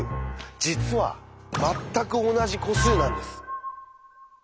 実は「まったく同じ個数」なんです！